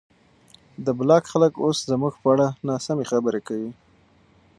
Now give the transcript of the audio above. د بلاک خلک اوس زموږ په اړه ناسمې خبرې کوي.